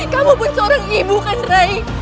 kamu pun seorang ibu kan rai